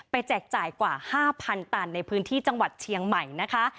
แจกจ่ายกว่า๕๐๐๐ตันในพื้นที่จังหวัดเชียงใหม่นะคะ